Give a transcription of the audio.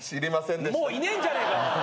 もういねえんじゃねえか。